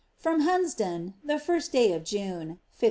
— From Hunsdon, the first day of June (1536).